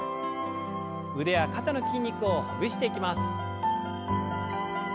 腕や肩の筋肉をほぐしていきます。